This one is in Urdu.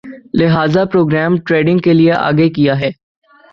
لہذا پروگرام ٹریڈنگ کے لیے آگے کِیا ہے